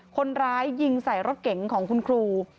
คนร้ายยิงใส่รถเก๋งของคุณครู